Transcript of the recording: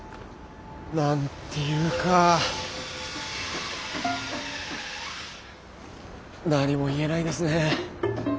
何て言うか何も言えないですねぇ」。